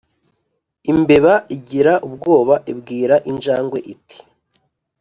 Imbeba igira ubwoba ibwira injangwe iti